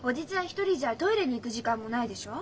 一人じゃトイレに行く時間もないでしょ？